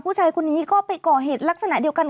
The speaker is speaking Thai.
ผู้ชายคนนี้ก็ไปก่อเหตุลักษณะเดียวกัน